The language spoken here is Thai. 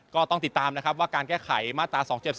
ก็ต้องติดตามนะครับว่าการแก้ไขมาตรา๒๗๒